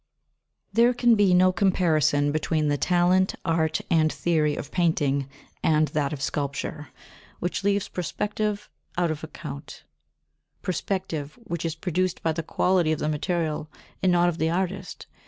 37. There can be no comparison between the talent, art and theory of painting and that of sculpture, which leaves perspective out of account, perspective which is produced by the quality of the material and not of the artist.